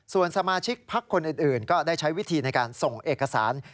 ส่วนสมาชิกพักคนอื่นก็ได้ใช้วิธีในการส่งเอกสาร